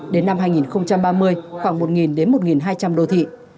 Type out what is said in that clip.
đến năm hai nghìn ba mươi khoảng một đến một hai trăm linh đô thị